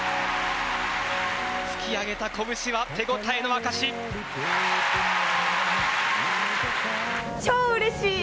突き上げた拳は手応えの証し。